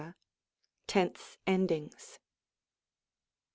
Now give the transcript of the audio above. TeNSE EkDINGS.